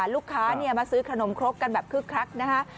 ลูกค้ามาซื้อขนมครกกันแบบคึกคักนะฮะ